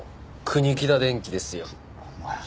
国木田電器ですよ。